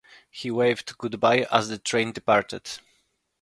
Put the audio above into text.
He waved goodbye as the train departed.